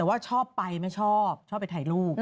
แต่ว่าชอบไปไม่ชอบชอบไปถ่ายรูป